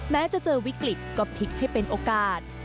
แม้จะเจอวิกฤตก็พลิกให้เป็นโอกาส